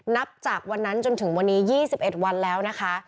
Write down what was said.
นับจากวันนั้นจนถึงวันนี้๒๑วันแล้วนะคะ